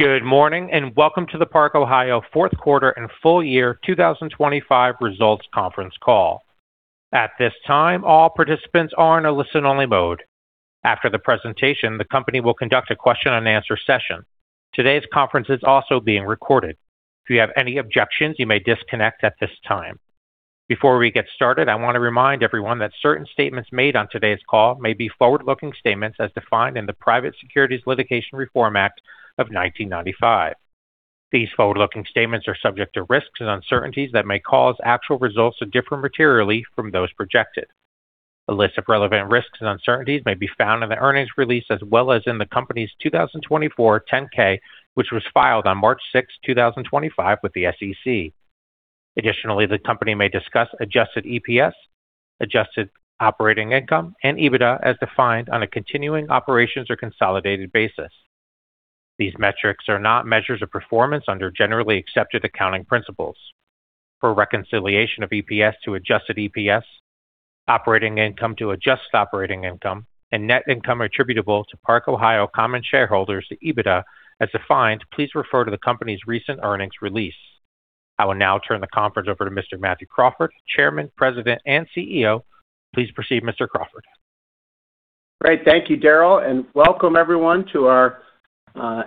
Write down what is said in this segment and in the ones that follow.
Good morning, and welcome to the Park-Ohio fourth quarter and full year 2025 results conference call. At this time, all participants are in a listen-only mode. After the presentation, the company will conduct a question-and-answer session. Today's conference is also being recorded. If you have any objections, you may disconnect at this time. Before we get started, I want to remind everyone that certain statements made on today's call may be forward-looking statements as defined in the Private Securities Litigation Reform Act of 1995. These forward-looking statements are subject to risks and uncertainties that may cause actual results to differ materially from those projected. A list of relevant risks and uncertainties may be found in the earnings release as well as in the company's 2024 10-K, which was filed on March sixth, 2025 with the SEC. Additionally, the company may discuss adjusted EPS, adjusted operating income, and EBITDA as defined on a continuing operations or consolidated basis. These metrics are not measures of performance under generally accepted accounting principles. For reconciliation of EPS to adjusted EPS, operating income to adjusted operating income, and net income attributable to Park-Ohio common shareholders to EBITDA as defined, please refer to the company's recent earnings release. I will now turn the conference over to Mr. Matthew Crawford, Chairman, President, and CEO. Please proceed, Mr. Crawford. Great. Thank you, Daryl, and welcome everyone to our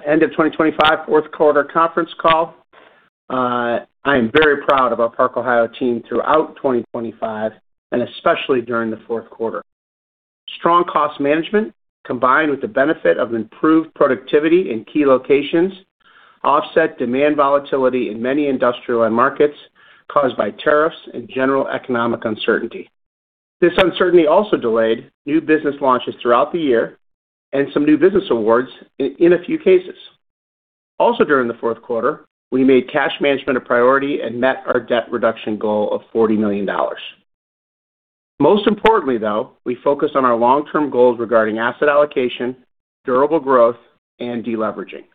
end of 2025 fourth-quarter conference call. I am very proud of our Park-Ohio team throughout 2025 and especially during the fourth quarter. Strong cost management, combined with the benefit of improved productivity in key locations, offset demand volatility in many industrial end markets caused by tariffs and general economic uncertainty. This uncertainty also delayed new business launches throughout the year and some new business awards in a few cases. Also during the fourth quarter, we made cash management a priority and met our debt reduction goal of $40 million. Most importantly, though, we focused on our long-term goals regarding asset allocation, durable growth, and deleveraging.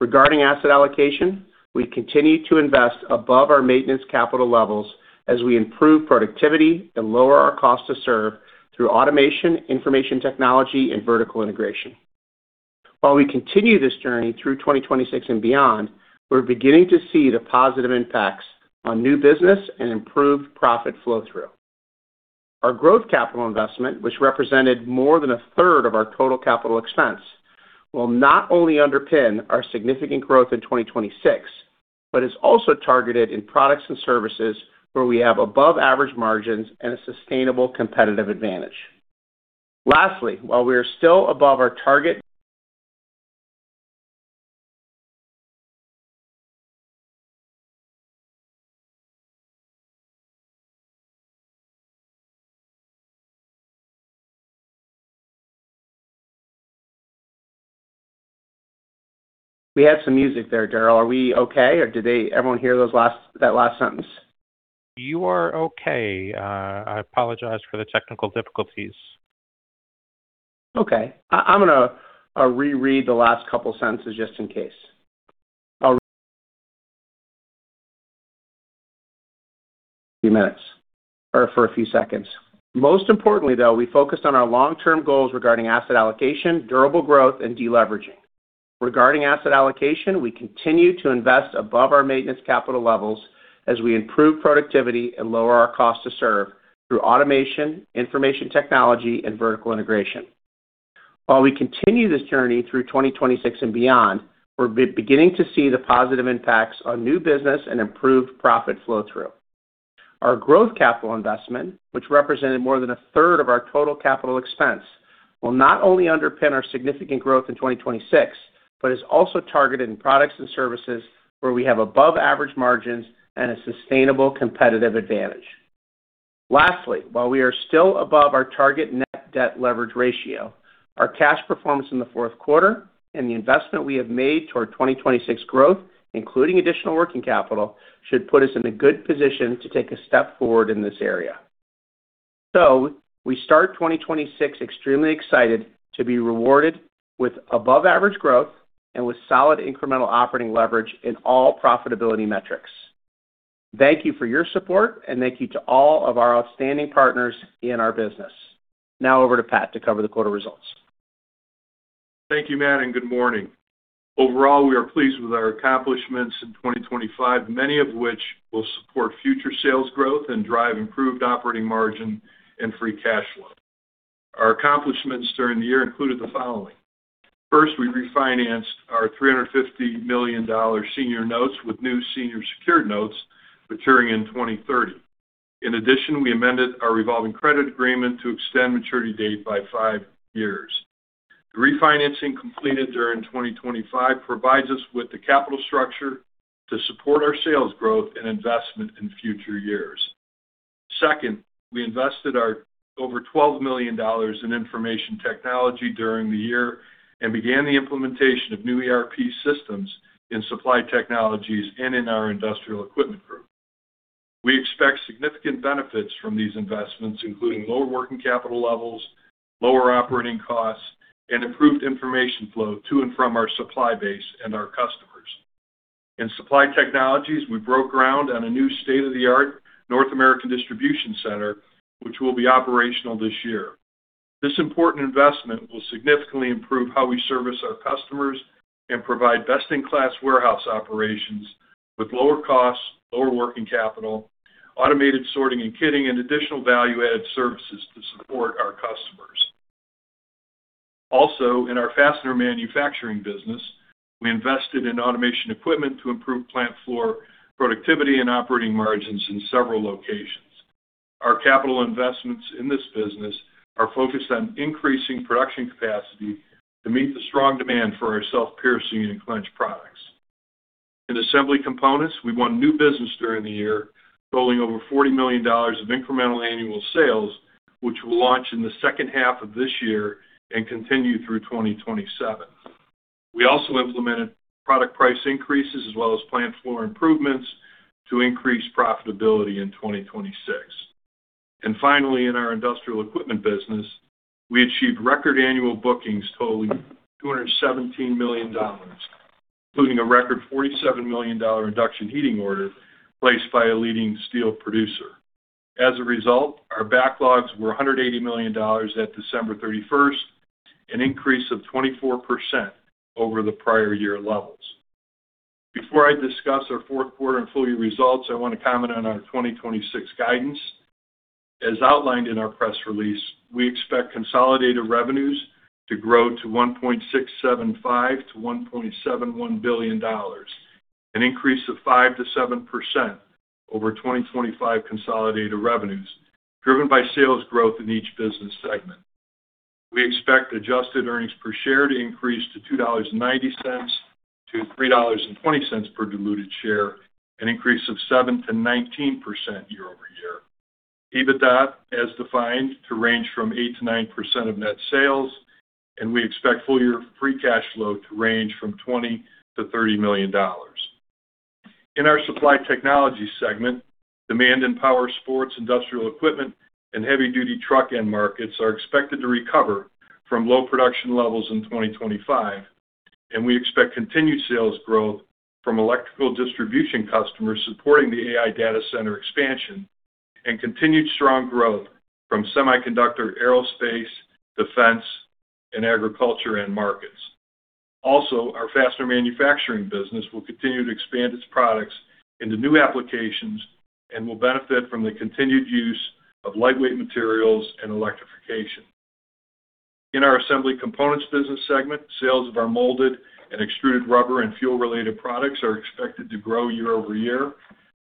Regarding asset allocation, we continue to invest above our maintenance capital levels as we improve productivity and lower our cost and a sustainable competitive advantage. Lastly, while we are still above our target net debt leverage ratio, our cash performance in the fourth quarter and the investment we have made toward 2026 growth, including additional working capital, should put us in a good position to take a step forward in this area. We start 2026 extremely excited to be rewarded with above-average growth and with solid incremental operating leverage in all profitability metrics. Thank you for your support, and thank you to all of our outstanding partners in our business. Now over to Pat to cover the quarter results. Thank you, Matt, and good morning. Overall, we are pleased with our accomplishments in 2025, many of which will support future sales growth and drive improved operating margin and free cash flow. Our accomplishments during the year included the following. First, we refinanced our $350 million senior notes with new senior secured notes maturing in 2030. In addition, we amended our revolving credit agreement to extend maturity date by five years. The refinancing completed during 2025 provides us with the capital structure to support our sales growth and investment in future years. Second, we invested our over $12 million in information technology during the year and began the implementation of new ERP systems in Supply Technologies and in our industrial equipment group. We expect significant benefits from these investments, including lower working capital levels, lower operating costs, and improved information flow to and from our supply base and our customers. In Supply Technologies, we broke ground on a new state-of-the-art North American distribution center, which will be operational this year. This important investment will significantly improve how we service our customers and provide best-in-class warehouse operations with lower costs, lower working capital, automated sorting and kitting, and additional value-added services to support our customers. In our fastener manufacturing business, we invested in automation equipment to improve plant floor productivity and operating margins in several locations. Our capital investments in this business are focused on increasing production capacity to meet the strong demand for our self-piercing and clinch products. In Assembly Components, we won new business during the year, totaling over $40 million of incremental annual sales, which will launch in the second half of this year and continue through 2027. We also implemented product price increases as well as plant floor improvements to increase profitability in 2026. Finally, in our industrial equipment business, we achieved record annual bookings totaling $217 million, including a record $47 million induction heating order placed by a leading steel producer. As a result, our backlogs were $180 million at December 31st, an increase of 24% over the prior year levels. Before I discuss our fourth quarter and full year results, I want to comment on our 2026 guidance. As outlined in our press release, we expect consolidated revenues to grow to $1.675-1.71 billion, an increase of 5-7% over 2025 consolidated revenues, driven by sales growth in each business segment. We expect adjusted earnings per share to increase to $2.90-3.20 per diluted share, an increase of 7-19% year-over-year. EBITDA, as defined, to range from 8-9% of net sales. We expect full year free cash flow to range from $20-30 million. In our Supply Technologies segment, demand in power sports, industrial equipment, and heavy-duty truck end markets are expected to recover from low production levels in 2025, and we expect continued sales growth from electrical distribution customers supporting the AI data center expansion and continued strong growth from semiconductor, aerospace, defense, and agriculture end markets. Our fastener manufacturing business will continue to expand its products into new applications and will benefit from the continued use of lightweight materials and electrification. In our Assembly Components business segment, sales of our molded and extruded rubber and fuel-related products are expected to grow year-over-year,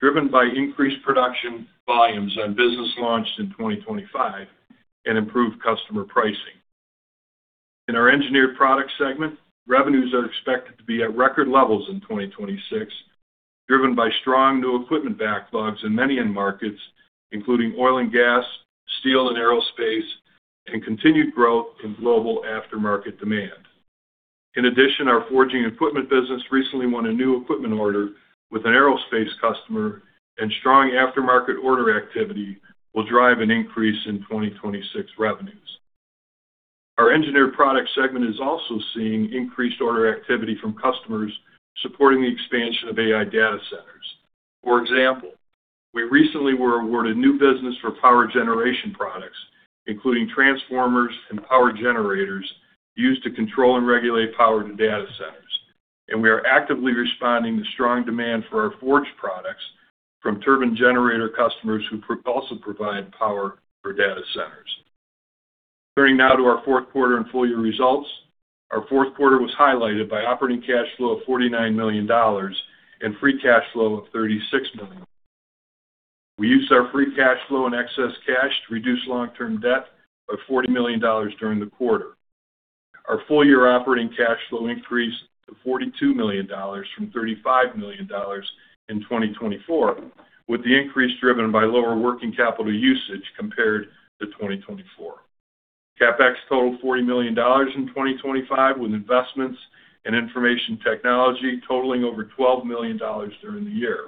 driven by increased production volumes on business launched in 2025 and improved customer pricing. In our Engineered Products segment, revenues are expected to be at record levels in 2026, driven by strong new equipment backlogs in many end markets, including oil and gas, steel and aerospace, and continued growth in global aftermarket demand. In addition, our forging equipment business recently won a new equipment order with an aerospace customer. Strong aftermarket order activity will drive an increase in 2026 revenues. Our Engineered Products segment is also seeing increased order activity from customers supporting the expansion of AI data centers. For example, we recently were awarded new business for power generation products, including transformers and power generators used to control and regulate power to data centers. We are actively responding to strong demand for our forged products from turbine generator customers who also provide power for data centers. Turning now to our fourth quarter and full year results. Our fourth quarter was highlighted by operating cash flow of $49 million and free cash flow of $36 million. We used our free cash flow and excess cash to reduce long-term debt by $40 million during the quarter. Our full-year operating cash flow increased to $42 million from $35 million in 2024, with the increase driven by lower working capital usage compared to 2024. CapEx totaled $40 million in 2025, with investments in information technology totaling over $12 million during the year.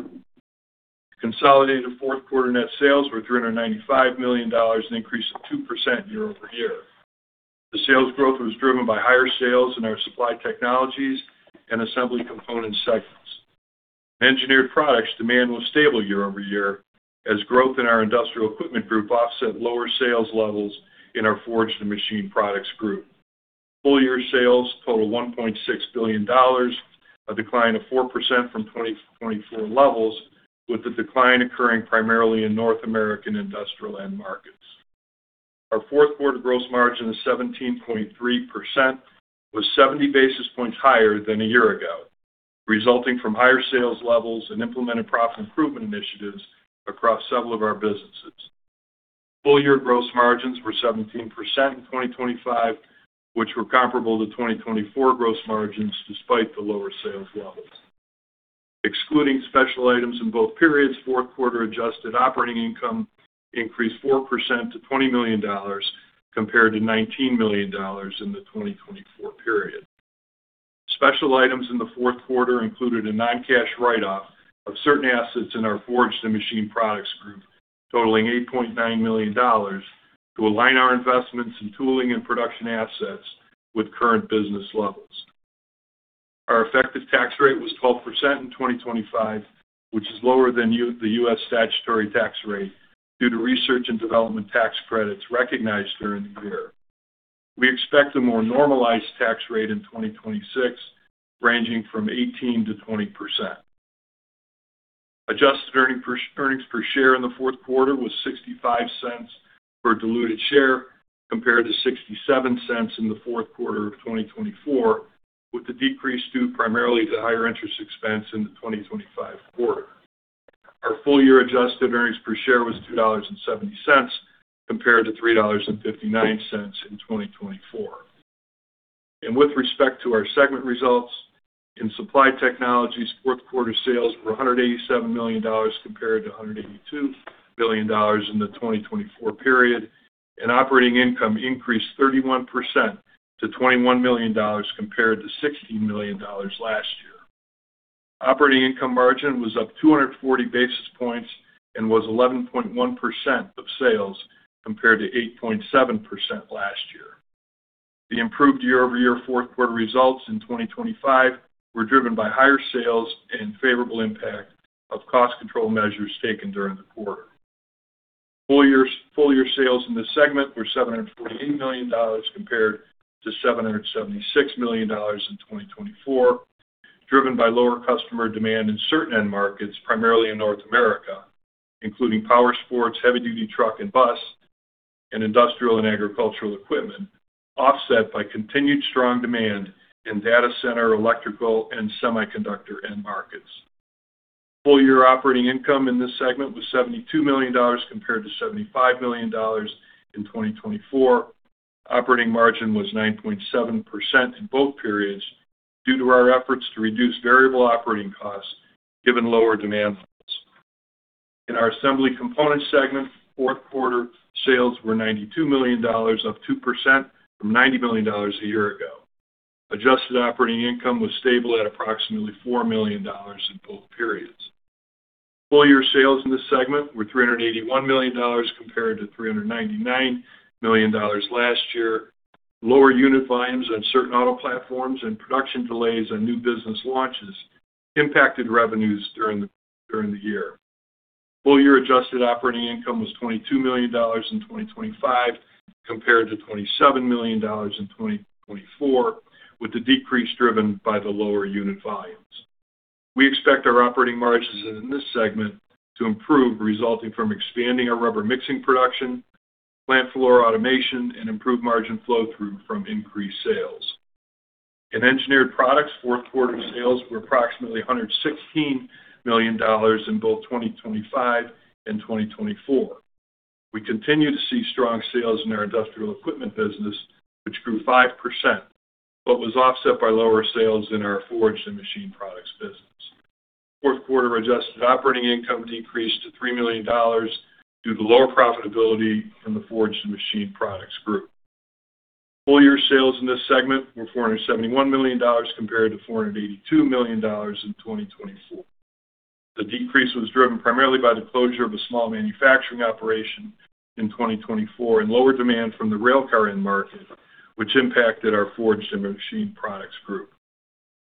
Consolidated fourth quarter net sales were $395 million, an increase of 2% year-over-year. The sales growth was driven by higher sales in our Supply Technologies and Assembly Components segments. Engineered Products demand was stable year-over-year as growth in our industrial equipment group offset lower sales levels in our Forged and Machined Products Group. Full year sales totaled $1.6 billion, a decline of 4% from 2024 levels, with the decline occurring primarily in North American industrial end markets. Our fourth quarter gross margin of 17.3% was 70 basis points higher than a year ago, resulting from higher sales levels and implemented profit improvement initiatives across several of our businesses. Full-year gross margins were 17% in 2025, which were comparable to 2024 gross margins despite the lower sales levels. Excluding special items in both periods, fourth quarter Adjusted Operating Income increased 4% to $20 million compared to $19 million in the 2024 period. Special items in the fourth quarter included a non-cash write-off of certain assets in our Forged and Machined Products Group totaling $8.9 million to align our investments in tooling and production assets with current business levels. Our effective tax rate was 12% in 2025, which is lower than the U.S. statutory tax rate due to research and development tax credits recognized during the year. We expect a more normalized tax rate in 2026, ranging from 18-20%. Adjusted earnings per share in the fourth quarter was $0.65 per diluted share compared to $0.67 in the fourth quarter of 2024, with the decrease due primarily to higher interest expense in the 2025 quarter. Our full year adjusted earnings per share was $2.70 compared to $3.59 in 2024. With respect to our segment results, in Supply Technologies, fourth quarter sales were $187 million compared to $182 million in the 2024 period. Operating income increased 31% to $21 million compared to $16 million last year. Operating income margin was up 240 basis points and was 11.1% of sales compared to 8.7% last year. The improved year-over-year fourth quarter results in 2025 were driven by higher sales and favorable impact of cost control measures taken during the quarter. Full year sales in this segment were $748 million compared to $776 million in 2024, driven by lower customer demand in certain end markets, primarily in North America, including power sports, heavy-duty truck and bus, and industrial and agricultural equipment, offset by continued strong demand in data center, electrical, and semiconductor end markets. Full year operating income in this segment was $72 million compared to $75 million in 2024. Operating margin was 9.7% in both periods due to our efforts to reduce variable operating costs given lower demand levels. In our Assembly Components segment, fourth quarter sales were $92 million, up 2% from $90 million a year ago. Adjusted Operating Income was stable at approximately $4 million in both periods. Full year sales in this segment were $381 million compared to $399 million last year. Lower unit volumes on certain auto platforms and production delays on new business launches impacted revenues during the year. Full year Adjusted Operating Income was $22 million in 2025 compared to $27 million in 2024, with the decrease driven by the lower unit volumes. We expect our operating margins in this segment to improve, resulting from expanding our rubber mixing production, plant floor automation, and improved margin flow through from increased sales. In Engineered Products, fourth quarter sales were approximately $116 million in both 2025 and 2024. We continue to see strong sales in our industrial equipment business, which grew 5%, but was offset by lower sales in our Forged and Machined Products business. Fourth quarter Adjusted Operating Income decreased to $3 million due to lower profitability in the Forged and Machined Products Group. Full year sales in this segment were $471 million compared to $482 million in 2024. The decrease was driven primarily by the closure of a small manufacturing operation in 2024 and lower demand from the railcar end market, which impacted our Forged and Machined Products Group.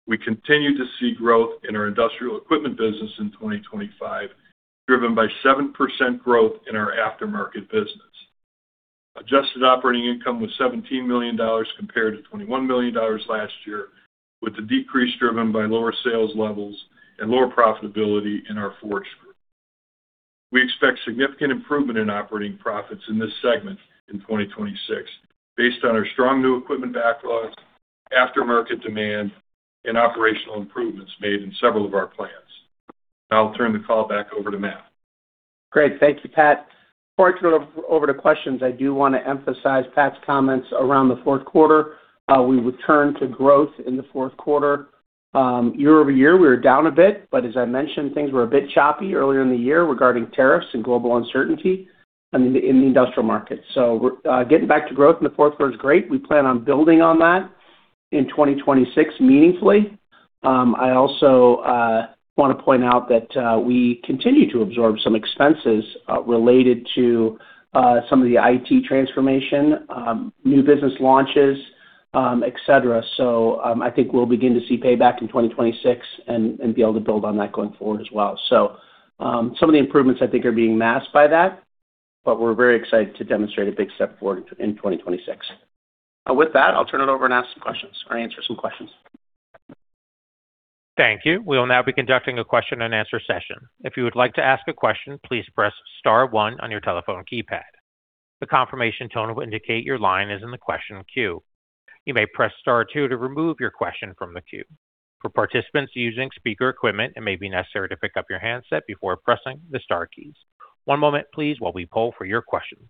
We continue to see growth in our industrial equipment business in 2025, driven by 7% growth in our aftermarket business. Adjusted Operating Income was $17 million compared to $21 million last year, with the decrease driven by lower sales levels and lower profitability in our Forged Group. We expect significant improvement in operating profits in this segment in 2026 based on our strong new equipment backlogs, aftermarket demand, and operational improvements made in several of our plants. I'll turn the call back over to Matt. Great. Thank you, Pat. Before I turn it over to questions, I do wanna emphasize Pat's comments around the fourth quarter. Uh, we returned to growth in the fourth quarter. Um, year over year, we were down a bit, but as I mentioned, things were a bit choppy earlier in the year regarding tariffs and global uncertainty in, in the industrial market. So we're, uh, getting back to growth in the fourth quarter is great. We plan on building on that in twenty twenty-six meaningfully. Um, I also, uh, wanna point out that, uh, we continue to absorb some expenses, uh, related to, uh, some of the IT transformation, um, new business launches, um, et cetera. So, um, I think we'll begin to see payback in twenty twenty-six and, and be able to build on that going forward as well. Some of the improvements I think are being masked by that, but we're very excited to demonstrate a big step forward in 2026. With that, I'll turn it over and ask some questions or answer some questions. Thank you. We will now be conducting a question and answer session. If you would like to ask a question, please press star one on your telephone keypad. The confirmation tone will indicate your line is in the question queue. You may press star two to remove your question from the queue. For participants using speaker equipment, it may be necessary to pick up your handset before pressing the star keys. One moment please while we poll for your questions.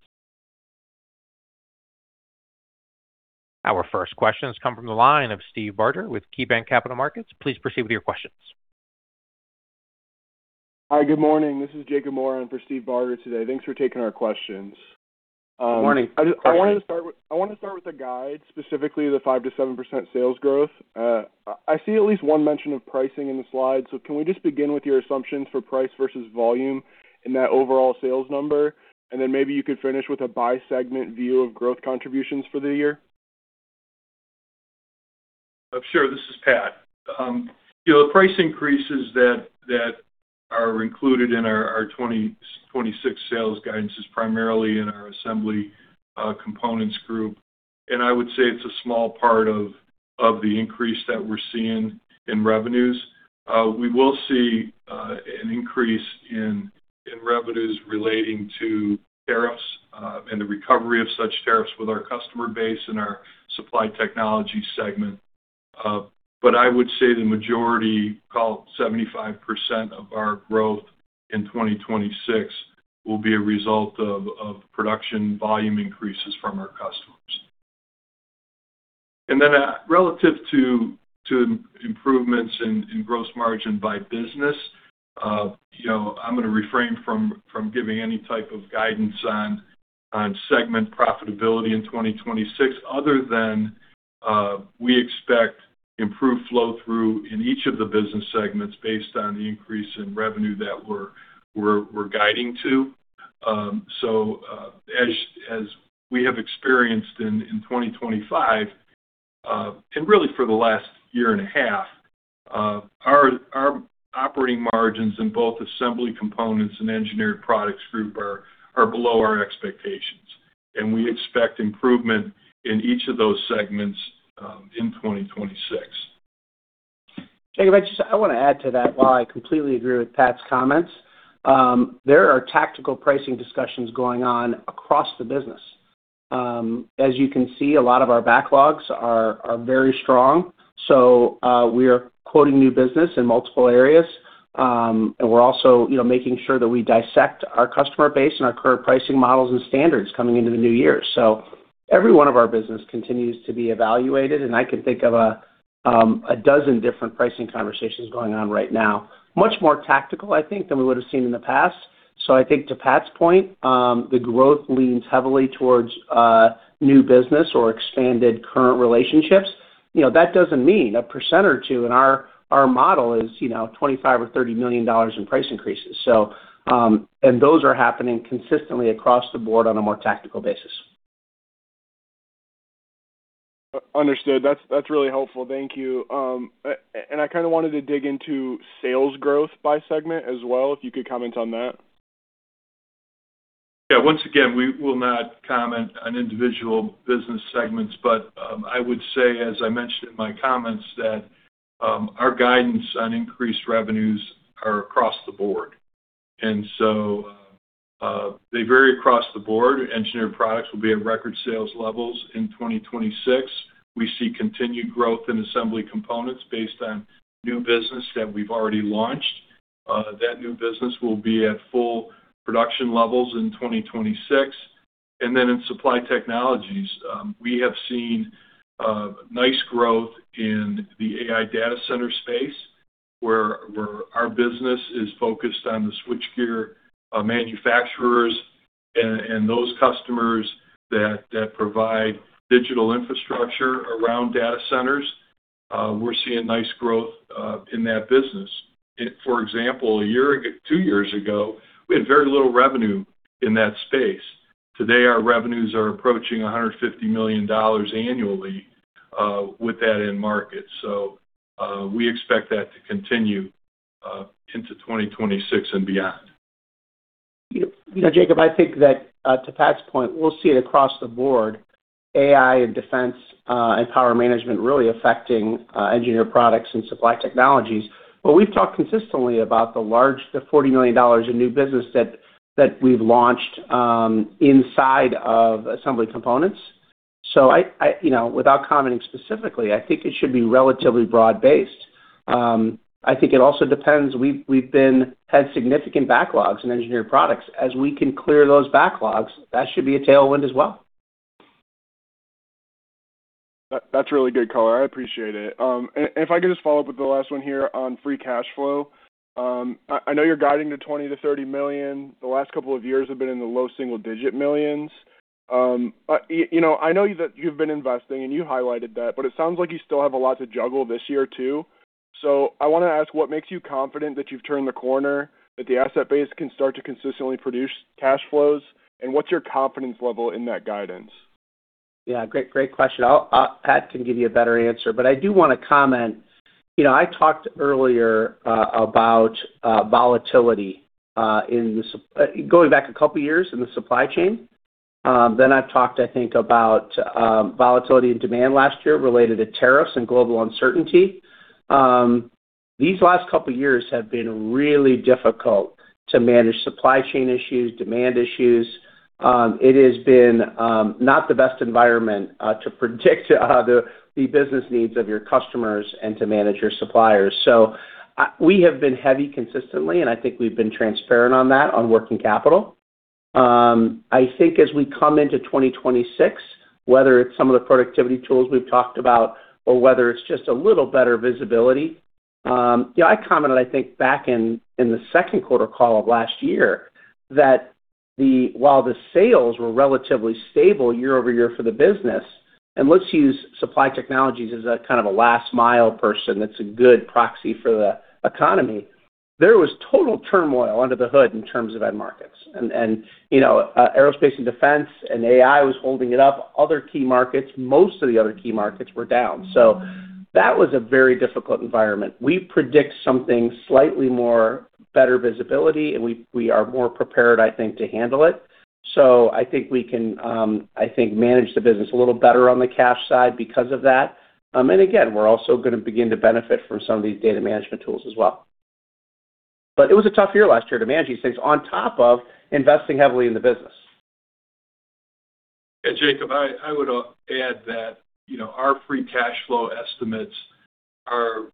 Our first question has come from the line of Steve Barger with KeyBanc Capital Markets. Please proceed with your questions. Hi, good morning. This is Jacob Moran for Steve Barger today. Thanks for taking our questions. Good morning. I want to start with the guide, specifically the 5-7% sales growth. I see at least one mention of pricing in the slide. Can we just begin with your assumptions for price versus volume in that overall sales number? Maybe you could finish with a by segment view of growth contributions for the year. Sure. This is Pat. You know, the price increases that are included in our '26 sales guidance is primarily in our Assembly Components group. I would say it's a small part of the increase that we're seeing in revenues. We will see an increase in revenues relating to tariffs and the recovery of such tariffs with our customer base and our Supply Technologies segment. I would say the majority, call it 75% of our growth in 2026, will be a result of production volume increases from our customers. Relative to improvements in gross margin by business, you know, I'm gonna refrain from giving any type of guidance on segment profitability in 2026 other than we expect improved flow-through in each of the business segments based on the increase in revenue that we're guiding to. As we have experienced in 2025, and really for the last year and a half, our operating margins in both Assembly Components and Engineered Products Group are below our expectations. We expect improvement in each of those segments in 2026. Jacob, I wanna add to that while I completely agree with Pat's comments. There are tactical pricing discussions going on across the business. As you can see, a lot of our backlogs are very strong, we are quoting new business in multiple areas, and we're also, you know, making sure that we dissect our customer base and our current pricing models and standards coming into the new year. Every one of our business continues to be evaluated, and I can think of a dozen different pricing conversations going on right now. Much more tactical, I think, than we would have seen in the past. I think to Pat's point, the growth leans heavily towards new business or expanded current relationships. You know, that doesn't mean 1% or 2% in our model is, you know, $25 million or $30 million in price increases. Those are happening consistently across the board on a more tactical basis. Understood. That's really helpful. Thank you. I kinda wanted to dig into sales growth by segment as well, if you could comment on that. Yeah. Once again, we will not comment on individual business segments. I would say, as I mentioned in my comments, that our guidance on increased revenues are across the board. They vary across the board. Engineered Products will be at record sales levels in 2026. We see continued growth in Assembly Components based on new business that we've already launched. That new business will be at full production levels in 2026. In Supply Technologies, we have seen nice growth in the AI data center space, where our business is focused on the switchgear manufacturers and those customers that provide digital infrastructure around data centers. We're seeing nice growth in that business. For example, two years ago, we had very little revenue in that space. Today, our revenues are approaching $150 million annually, with that end market. We expect that to continue, into 2026 and beyond. You, you know, Jacob, I think that, to Pat's point, we'll see it across the board, AI and defense, and power management really affecting Engineered Products and Supply Technologies. We've talked consistently about the $40 million in new business that we've launched inside of Assembly Components. You know, without commenting specifically, I think it should be relatively broad-based. I think it also depends. We've had significant backlogs in Engineered Products. As we can clear those backlogs, that should be a tailwind as well. That's really good color. I appreciate it. If I could just follow up with the last one here on free cash flow. I know you're guiding to $20-30 million. The last couple of years have been in the low single-digit millions. you know, I know that you've been investing, and you highlighted that, but it sounds like you still have a lot to juggle this year, too. I want to ask, what makes you confident that you've turned the corner, that the asset base can start to consistently produce cash flows, and what's your confidence level in that guidance? Yeah. Great, great question. Pat can give you a better answer, but I do want to comment. You know, I talked earlier about volatility in the supply chain. I've talked, I think, about volatility in demand last year related to tariffs and global uncertainty. These last couple of years have been really difficult to manage supply chain issues, demand issues. It has been not the best environment to predict the business needs of your customers and to manage your suppliers. We have been heavy consistently, and I think we've been transparent on that, on working capital. I think as we come into 2026, whether it's some of the productivity tools we've talked about or whether it's just a little better visibility. Yeah, I commented, I think back in the second quarter call of last year that while the sales were relatively stable year-over-year for the business, and let's use Supply Technologies as a kind of a last mile person, that's a good proxy for the economy. There was total turmoil under the hood in terms of end markets. You know, aerospace and defense and AI was holding it up. Other key markets, most of the other key markets were down. That was a very difficult environment. We predict something slightly more better visibility, and we are more prepared, I think, to handle it. I think we can, I think manage the business a little better on the cash side because of that. Again, we're also gonna begin to benefit from some of these data management tools as well. It was a tough year last year to manage these things on top of investing heavily in the business. Yeah, Jacob, I would add that, you know, our free cash flow estimates are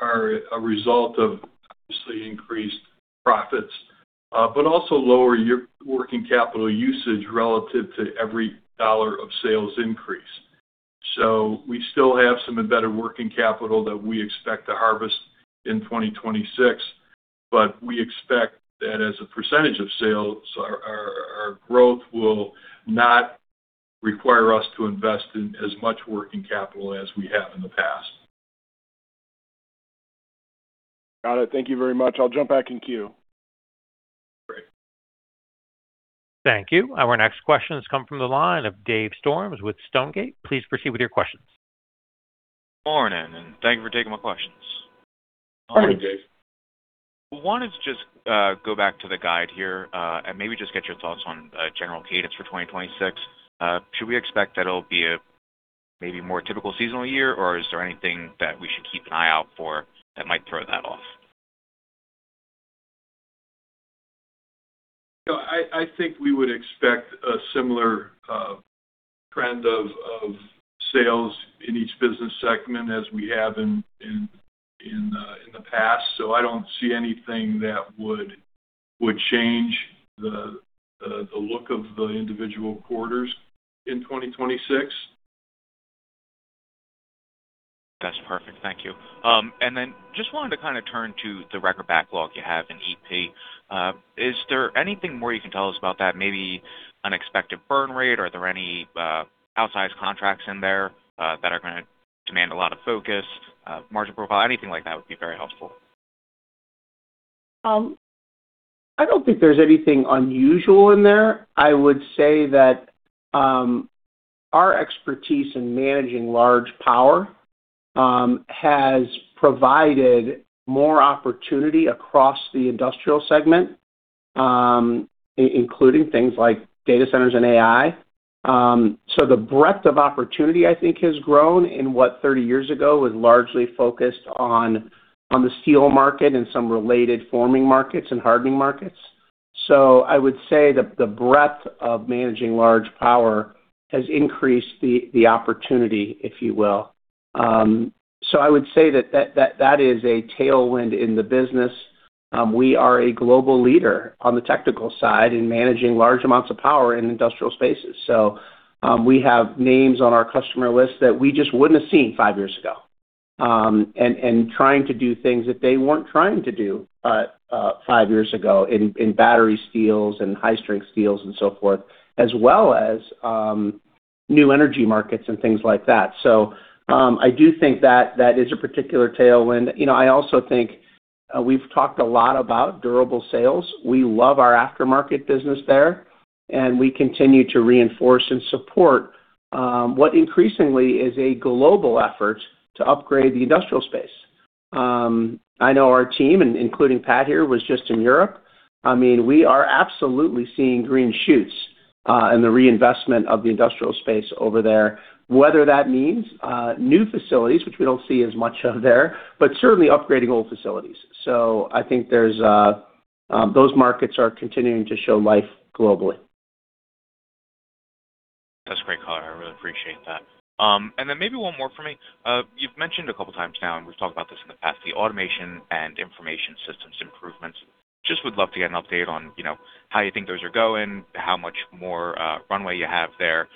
a result of obviously increased profits, also lower your working capital usage relative to every $1 of sales increase. We still have some embedded working capital that we expect to harvest in 2026, we expect that as a % of sales, our growth will not require us to invest in as much working capital as we have in the past. Got it. Thank you very much. I'll jump back in queue. Great. Thank you. Our next question has come from the line of Dave Storms with Stonegate. Please proceed with your questions. Morning, and thank you for taking my questions. Morning, Dave. Wanted to just go back to the guide here, and maybe just get your thoughts on general cadence for 2026? Should we expect that it'll be a maybe more typical seasonal year, or is there anything that we should keep an eye out for that might throw that off? You know, I think we would expect a similar trend of sales in each business segment as we have in the past. I don't see anything that would change the look of the individual quarters in 2026. That's perfect. Thank you. Then just wanted to kinda turn to the record backlog you have in EP. Is there anything more you can tell us about that, maybe unexpected burn rate? Are there any outsized contracts in there that are gonna demand a lot of focus, margin profile? Anything like that would be very helpful. I don't think there's anything unusual in there. I would say that, our expertise in managing large power, has provided more opportunity across the industrial segment, including things like data centers and AI. The breadth of opportunity, I think, has grown in what 30 years ago was largely focused on the steel market and some related forming markets and hardening markets. I would say that the breadth of managing large power has increased the opportunity, if you will. I would say that is a tailwind in the business. We are a global leader on the technical side in managing large amounts of power in industrial spaces. We have names on our customer list that we just wouldn't have seen five years ago, and trying to do things that they weren't trying to do, five years ago in battery steels and high-strength steels and so forth, as well as new energy markets and things like that. I do think that that is a particular tailwind. You know, I also think, we've talked a lot about durable sales. We love our aftermarket business there, and we continue to reinforce and support what increasingly is a global effort to upgrade the industrial space. I know our team, including Pat here, was just in Europe. I mean, we are absolutely seeing green shoots in the reinvestment of the industrial space over there, whether that means new facilities, which we don't see as much of there, but certainly upgrading old facilities. I think those markets are continuing to show life globally. That's a great color. I really appreciate that. Maybe one more for me. You've mentioned a couple times now, and we've talked about this in the past, the automation and information systems improvements. Just would love to get an update on, you know, how you think those are going, how much more runway you have there,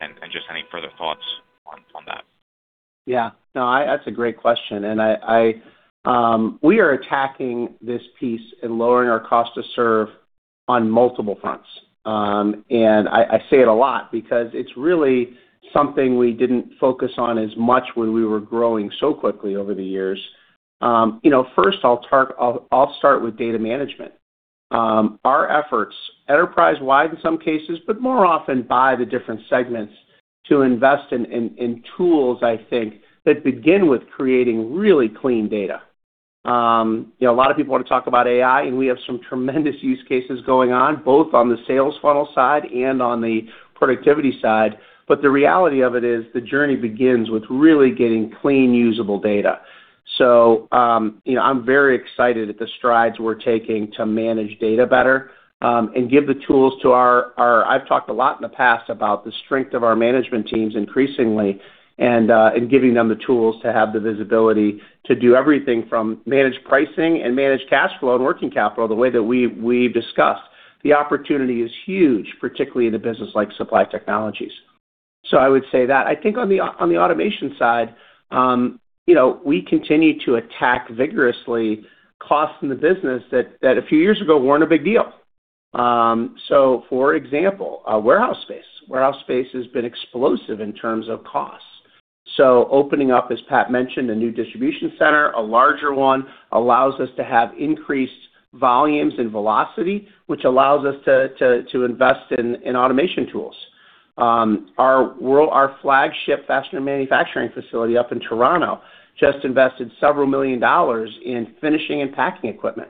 and just any further thoughts on that. No, that's a great question. I, we are attacking this piece and lowering our cost to serve on multiple fronts. I say it a lot because it's really something we didn't focus on as much when we were growing so quickly over the years. You know, first I'll start with data management. Our efforts, enterprise-wide in some cases, but more often by the different segments to invest in tools, I think, that begin with creating really clean data. You know, a lot of people want to talk about AI, and we have some tremendous use cases going on, both on the sales funnel side and on the productivity side. The reality of it is the journey begins with really getting clean, usable data. You know, I'm very excited at the strides we're taking to manage data better, and give the tools to our I've talked a lot in the past about the strength of our management teams increasingly and giving them the tools to have the visibility to do everything from manage pricing and manage cash flow and working capital the way that we discussed. The opportunity is huge, particularly in a business like Supply Technologies. I would say that. I think on the automation side, you know, we continue to attack vigorously costs in the business that a few years ago weren't a big deal. For example, our warehouse space. Warehouse space has been explosive in terms of costs. Opening up, as Pat mentioned, a new distribution center, a larger one, allows us to have increased volumes and velocity, which allows us to invest in automation tools. Our flagship fastener manufacturing facility up in Toronto just invested several million dollars in finishing and packing equipment.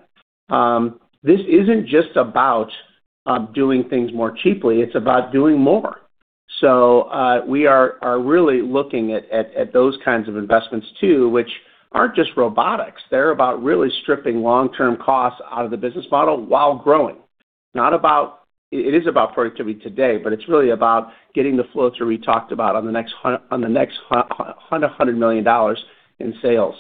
This isn't just about doing things more cheaply, it's about doing more. We are really looking at those kinds of investments too, which aren't just robotics. They're about really stripping long-term costs out of the business model while growing. It is about productivity today, but it's really about getting the flow through we talked about on the next $100 million in sales.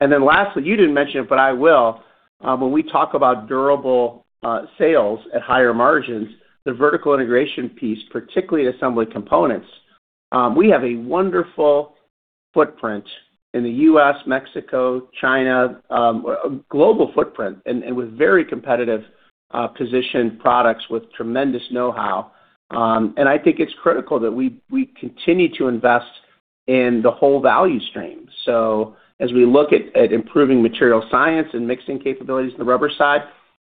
Lastly, you didn't mention it, but I will, when we talk about durable sales at higher margins, the vertical integration piece, particularly Assembly Components, we have a wonderful footprint in the U.S., Mexico, China, a global footprint and with very competitive positioned products with tremendous know-how. I think it's critical that we continue to invest in the whole value stream. As we look at improving material science and mixing capabilities in the rubber side,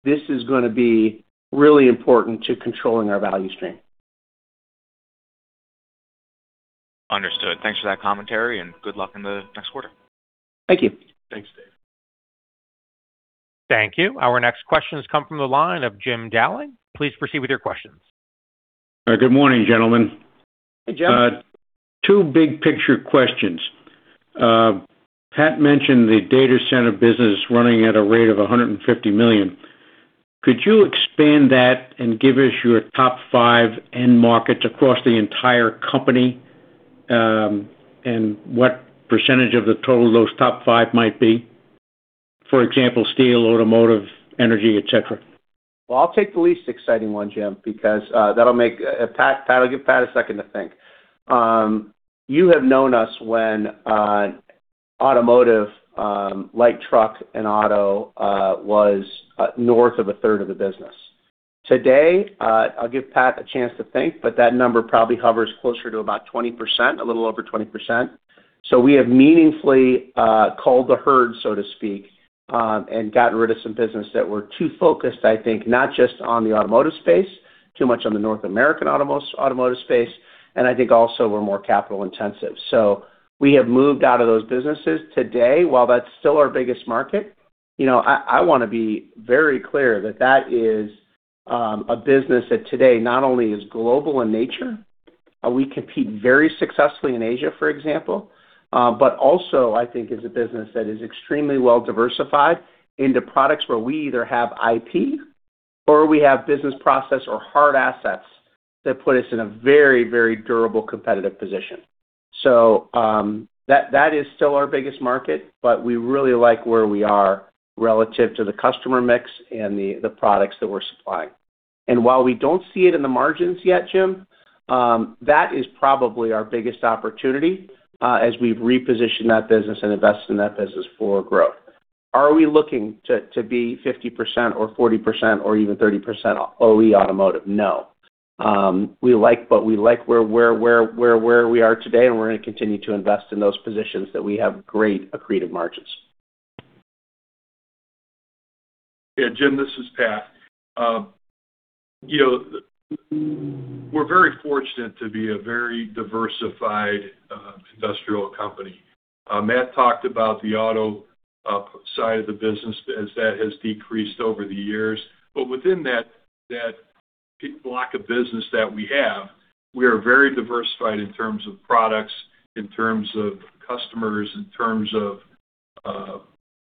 this is gonna be really important to controlling our value stream. Understood. Thanks for that commentary, and good luck in the next quarter. Thank you. Thanks, Dave. Thank you. Our next question has come from the line of Jim Dolan. Please proceed with your questions. Good morning, gentlemen. Hey, Jim. Two big picture questions. Pat mentioned the data center business running at a rate of $150 million. Could you expand that and give us your top five end markets across the entire company, and what % of the total those top five might be? For example, steel, automotive, energy, et cetera. I'll take the least exciting one, Jim, because that'll give Pat a second to think. You have known us when automotive, light truck and auto, was north of a third of the business. Today, I'll give Pat a chance to think, but that number probably hovers closer to about 20%, a little over 20%. We have meaningfully culled the herd, so to speak, and gotten rid of some business that we're too focused, I think, not just on the automotive space, too much on the North American automotive space, and I think also we're more capital intensive. We have moved out of those businesses today. While that's still our biggest market, you know, I wanna be very clear that that is a business that today not only is global in nature, we compete very successfully in Asia, for example, but also I think is a business that is extremely well diversified into products where we either have IP or we have business process or hard assets that put us in a very, very durable, competitive position. That is still our biggest market, but we really like where we are relative to the customer mix and the products that we're supplying. While we don't see it in the margins yet, Jim, that is probably our biggest opportunity, as we reposition that business and invest in that business for growth. Are we looking to be 50% or 40% or even 30% OE automotive? No. We like where we are today, and we're gonna continue to invest in those positions that we have great accretive margins. Yeah. Jim, this is Pat. You know, we're very fortunate to be a very diversified industrial company. Matt talked about the auto side of the business as that has decreased over the years. Within that block of business that we have, we are very diversified in terms of products, in terms of customers, in terms of,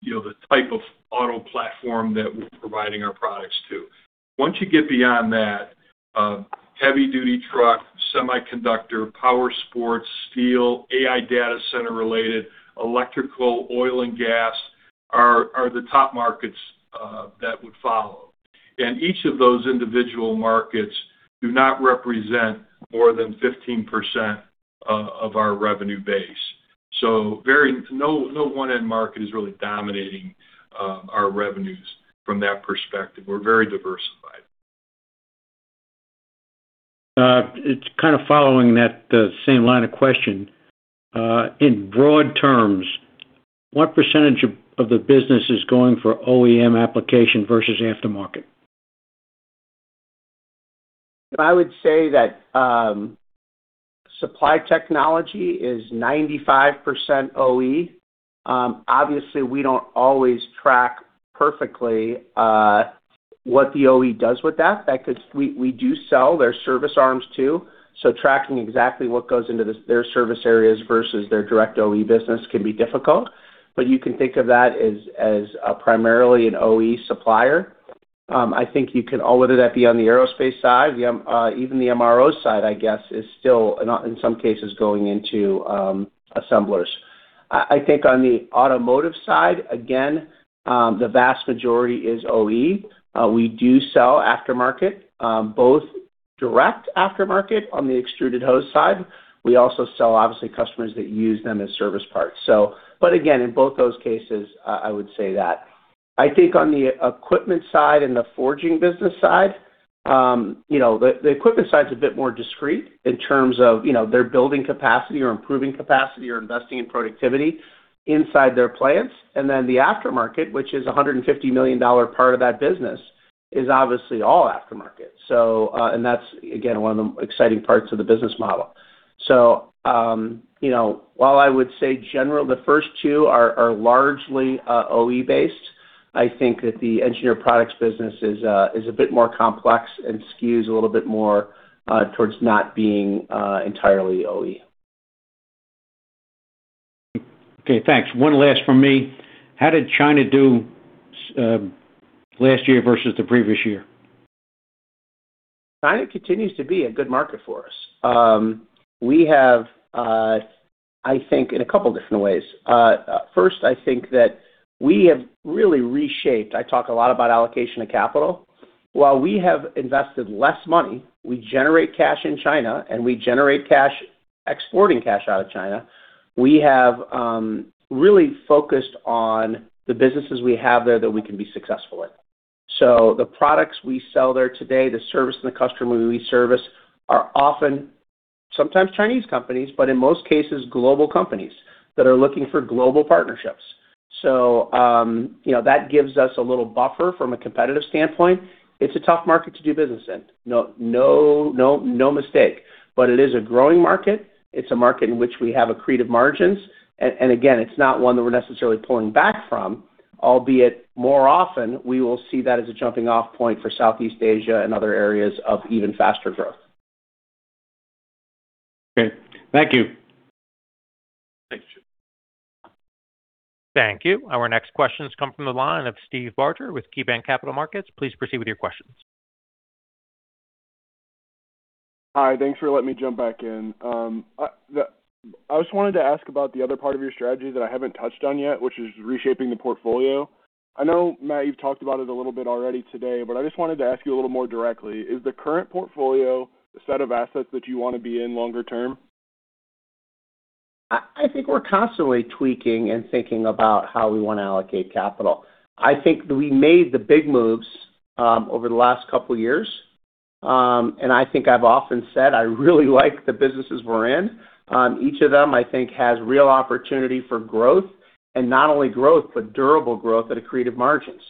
you know, the type of auto platform that we're providing our products to. Once you get beyond that, heavy-duty truck, semiconductor, power sports, steel, AI data center related, electrical, oil and gas are the top markets that would follow. Each of those individual markets do not represent more than 15% of our revenue base. No one end market is really dominating our revenues from that perspective. We're very diversified. It's kind of following that same line of question. In broad terms, what % of the business is going for OEM application versus aftermarket? I would say that Supply Technologies is 95% OE. Obviously we don't always track perfectly what the OE does with that. We do sell their service arms too, so tracking exactly what goes into their service areas versus their direct OE business can be difficult. You can think of that as primarily an OE supplier. Whether that be on the aerospace side. Even the MRO side, I guess, is still not in some cases going into assemblers. On the automotive side, again, the vast majority is OE. We do sell aftermarket, both direct aftermarket on the extruded hose side. We also sell, obviously, customers that use them as service parts. Again, in both those cases, I would say that I think on the equipment side and the forging business side, you know, the equipment side is a bit more discreet in terms of, you know, they're building capacity or improving capacity or investing in productivity inside their plants. The aftermarket, which is a $150 million part of that business, is obviously all aftermarket. And that's again, one of the exciting parts of the business model. You know, while I would say the first two are largely, OE-based, I think that the Engineered Products business is a bit more complex and skews a little bit more, towards not being, entirely OE. Okay, thanks. One last from me. How did China do last year versus the previous year? China continues to be a good market for us. We have, I think, in a couple of different ways. First, I think that we have really reshaped. I talk a lot about allocation of capital. While we have invested less money, we generate cash in China, and we generate cash exporting cash out of China. We have really focused on the businesses we have there that we can be successful in. The products we sell there today, the service and the customer we service, are often sometimes Chinese companies, but in most cases, global companies that are looking for global partnerships. You know, that gives us a little buffer from a competitive standpoint. It's a tough market to do business in. No, no, no mistake. It is a growing market. It's a market in which we have accretive margins. Again, it's not one that we're necessarily pulling back from, albeit more often, we will see that as a jumping-off point for Southeast Asia and other areas of even faster growth. Okay. Thank you. Thanks. Thank you. Our next question comes from the line of Steve Barger with KeyBanc Capital Markets. Please proceed with your questions. Hi. Thanks for letting me jump back in. I just wanted to ask about the other part of your strategy that I haven't touched on yet, which is reshaping the portfolio. I know, Matt, you've talked about it a little bit already today, but I just wanted to ask you a little more directly. Is the current portfolio the set of assets that you want to be in longer term? I think we're constantly tweaking and thinking about how we want to allocate capital. I think we made the big moves over the last couple of years. I think I've often said I really like the businesses we're in. Each of them, I think, has real opportunity for growth, and not only growth, but durable growth at accretive margins.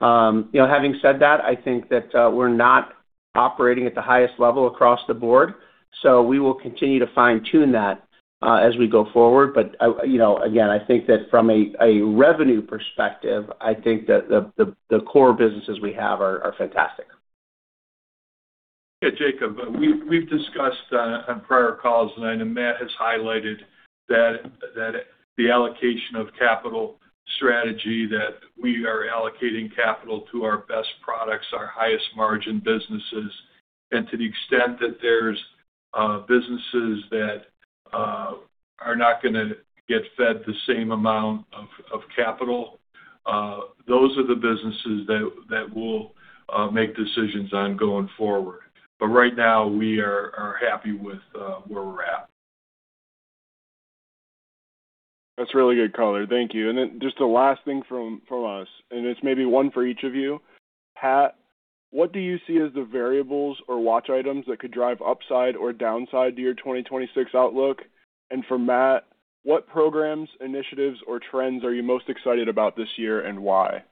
You know, having said that, I think that we're not operating at the highest level across the board, so we will continue to fine-tune that as we go forward. You know, again, I think that from a revenue perspective, I think that the core businesses we have are fantastic. Yeah, Jacob. We've discussed on prior calls, and I know Matt has highlighted that the allocation of capital strategy that we are allocating capital to our best products, our highest margin businesses, and to the extent that there's businesses that are not gonna get fed the same amount of capital, those are the businesses that we'll make decisions on going forward. Right now, we are happy with where we're at. That's really good color. Thank you. Just the last thing from us, and it's maybe one for each of you. Pat, what do you see as the variables or watch items that could drive upside or downside to your 2026 outlook? For Matt, what programs, initiatives, or trends are you most excited about this year, and why?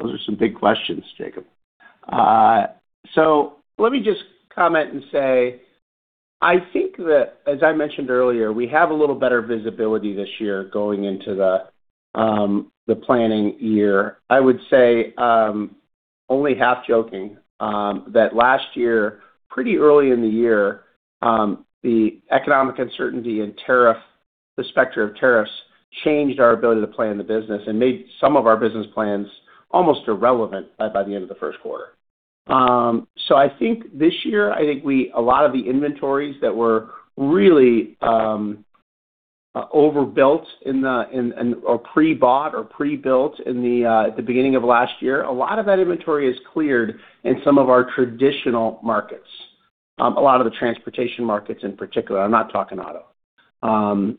Those are some big questions, Jacob. Let me just comment and say, I think that as I mentioned earlier, we have a little better visibility this year going into the planning year. I would say, only half joking, that last year, pretty early in the year, the economic uncertainty and tariff, the specter of tariffs changed our ability to plan the business and made some of our business plans almost irrelevant by the end of the first quarter. I think this year, I think a lot of the inventories that were really overbuilt in the or pre-bought or pre-built in the beginning of last year, a lot of that inventory is cleared in some of our traditional markets, a lot of the transportation markets in particular. I'm not talking auto.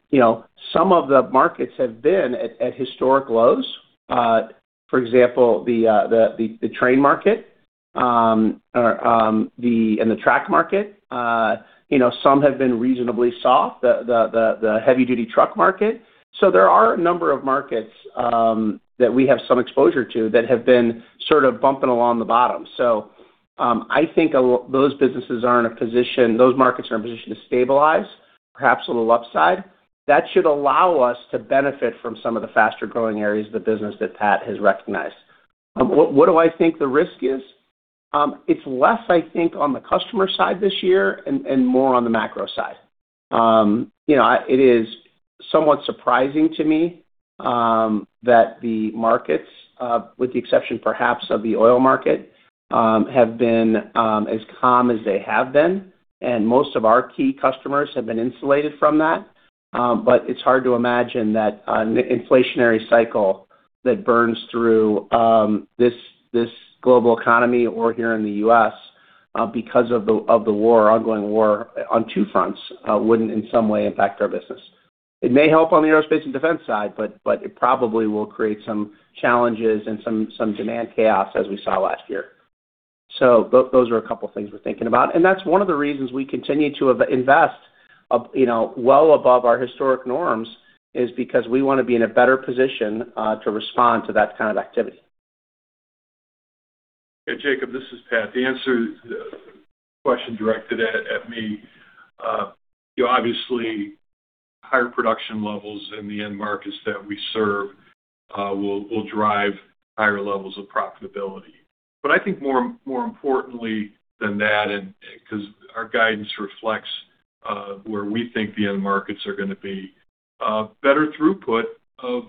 You know, some of the markets have been at historic lows, for example, the train market, or and the track market. You know, some have been reasonably soft, the heavy-duty truck market. There are a number of markets that we have some exposure to that have been sort of bumping along the bottom. I think those markets are in a position to stabilize, perhaps a little upside. That should allow us to benefit from some of the faster-growing areas of the business that Pat has recognized. What do I think the risk is? It's less, I think, on the customer side this year and more on the macro side. You know, it is somewhat surprising to me that the markets, with the exception perhaps of the oil market, have been as calm as they have been, and most of our key customers have been insulated from that. It's hard to imagine that an inflationary cycle that burns through this global economy or here in the U.S., because of the war, ongoing war on two fronts, wouldn't in some way impact our business. It may help on the aerospace and defense side, but it probably will create some challenges and some demand chaos as we saw last year. Those are a couple things we're thinking about. That's one of the reasons we continue to invest, you know, well above our historic norms, is because we wanna be in a better position to respond to that kind of activity. Hey, Jacob, this is Pat. The answer to the question directed at me. You know, obviously, higher production levels in the end markets that we serve, will drive higher levels of profitability. I think more importantly than that, and because our guidance reflects where we think the end markets are gonna be, better throughput of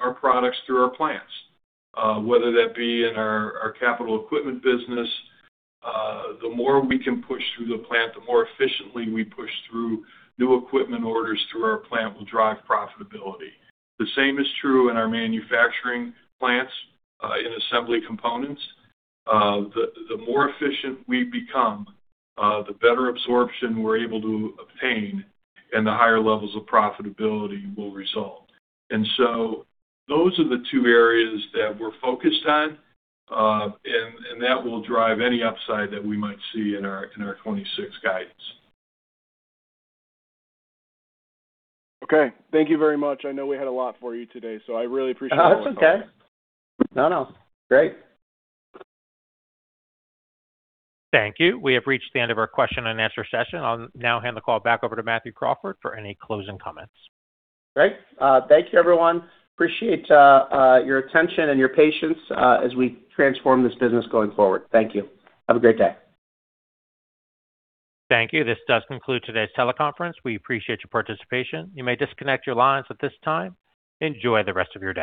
our products through our plants, whether that be in our capital equipment business, the more we can push through the plant, the more efficiently we push through new equipment orders through our plant will drive profitability. The same is true in our manufacturing plants, in Assembly Components. The more efficient we become, the better absorption we're able to obtain and the higher levels of profitability will result. Those are the two areas that we're focused on, and that will drive any upside that we might see in our, in our 2026 guidance. Okay. Thank you very much. I know we had a lot for you today, so I really appreciate all the questions. No, it's okay. No, no. Great. Thank you. We have reached the end of our question and answer session. I'll now hand the call back over to Matthew Crawford for any closing comments. Great. Thank you everyone. Appreciate your attention and your patience as we transform this business going forward. Thank you. Have a great day. Thank you. This does conclude today's teleconference. We appreciate your participation. You may disconnect your lines at this time. Enjoy the rest of your day.